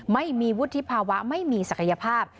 ไม่มีวุฒิภาวะไม่มีศักยภาพ